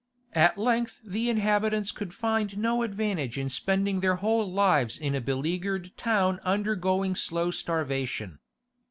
At length the inhabitants could find no advantage in spending their whole lives in a beleaguered town undergoing slow starvation.